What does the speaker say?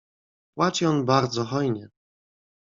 "Płaci on bardzo hojnie."